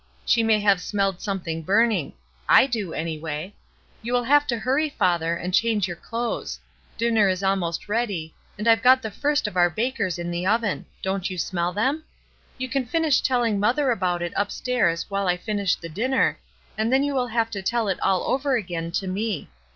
"She may have smelled something burning; I do, anyway. You will have to hurry, father, and change your clothes. Dinner is almost ready, and I've got the first of our bakers in the oven; don't you smell them? You can finish telling mother about it upstairs while I finish the dinner, and then you will have to tell it all over again, to me.